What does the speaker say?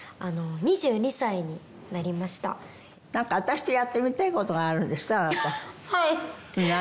あの２２歳になりました何か私とやってみたいことがあるんですって？